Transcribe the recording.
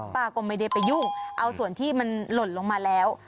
ป้าก็ไม่ได้ไปยุ่งเอาส่วนที่มันหล่นลงมาแล้ว